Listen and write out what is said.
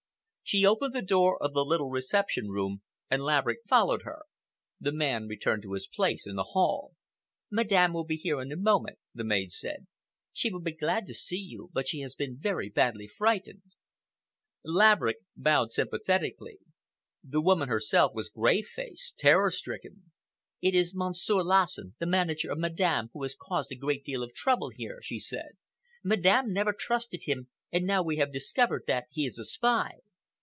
She opened the door of the little reception room, and Laverick followed her. The man returned to his place in the hall. "Madame will be here in a moment," the maid said. "She will be glad to see you, but she has been very badly frightened." Laverick bowed sympathetically. The woman herself was gray faced, terror stricken. "It is Monsieur Lassen, the manager of Madame, who has caused a great deal of trouble here," she said. "Madame never trusted him and now we have discovered that he is a spy."